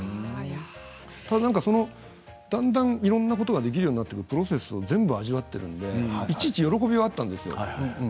ただ、だんだんいろいろなことができるようになってくるプロセスを全部味わっているのでいちいち喜びがあったんですよ。